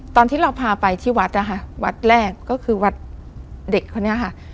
ตอนที่เราพาไปที่วัดนะคะวัดแรกก็คือวัดเด็กคนนี้ค่ะ